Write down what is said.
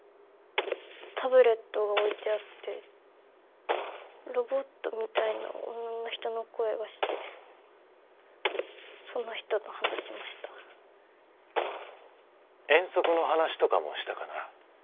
タブレットが置いてあってロボットみたいな女の人の声がしてその人と話しました遠足の話とかもしたかな？